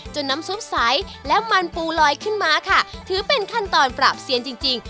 น้ำซุปใสและมันปูลอยขึ้นมาค่ะถือเป็นขั้นตอนปราบเซียนจริงจริง